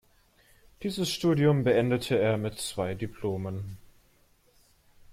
Dieses Studium beendete er mit zwei Diplomen.